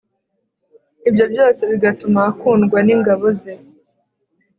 ibyo byose bigatuma akundwa n ingabo ze